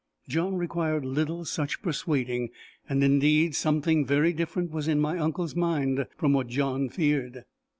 John required little such persuading. And indeed something very different was in my uncle's mind from what John feared.